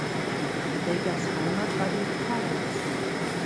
Regers Heimat war die Pfalz.